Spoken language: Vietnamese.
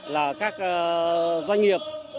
là các doanh nghiệp